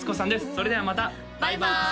それではまたバイバーイ！